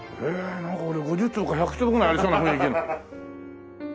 なんか俺５０坪か１００坪ぐらいありそうな雰囲気の。